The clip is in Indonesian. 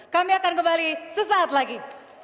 kami akan kembali sesaat lagi